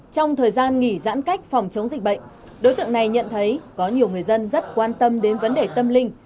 trong thời gian nghỉ giãn cách phòng chống dịch bệnh đối tượng này nhận thấy có nhiều người dân rất quan tâm đến vấn đề tâm linh